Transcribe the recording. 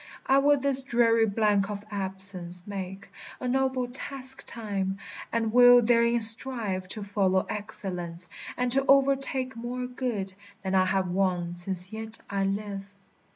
I will this dreary blank of absence make A noble task time; and will therein strive To follow excellence, and to o'ertake More good than I have won since yet I live.